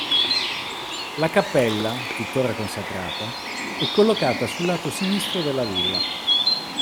La cappella, tuttora consacrata, è collocata sul lato sinistro della villa.